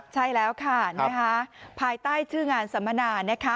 ใช่แล้วค่ะภายใต้ชื่องานสัมมนานะคะ